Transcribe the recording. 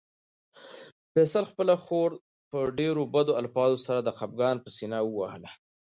فیصل خپله خور په ډېرو بدو الفاظو سره د خپګان په سېنه ووهله.